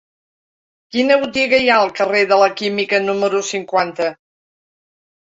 Quina botiga hi ha al carrer de la Química número cinquanta?